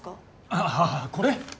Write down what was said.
あああこれ？